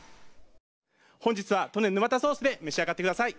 本日は利根沼田ソースで召し上がってください。